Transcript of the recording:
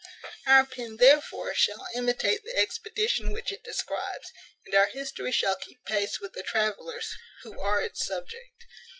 Our pen, therefore, shall imitate the expedition which it describes, and our history shall keep pace with the travellers who are its subject.